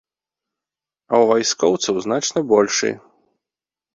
А ў вайскоўцаў значна большы.